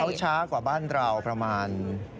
เขาช้ากว่าบ้านเราประมาณ